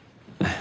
あ。